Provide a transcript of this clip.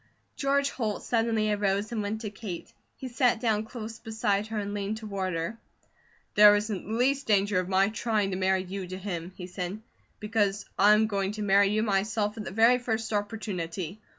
George Holt suddenly arose and went to Kate. He sat down close beside her and leaned toward her. "There isn't the least danger of my trying to marry you to him," he said, "because I am going to marry you myself at the very first opportunity.